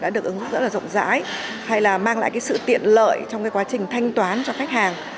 đã được ứng dụng rất là rộng rãi hay là mang lại sự tiện lợi trong cái quá trình thanh toán cho khách hàng